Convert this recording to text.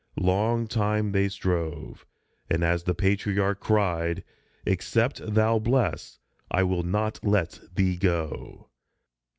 Long time they strove ; and as the Patriarch cried, " Except thou bless, I will not let thee go